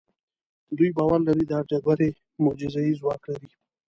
دوی باور لري دا ډبرې معجزه اي ځواک لري.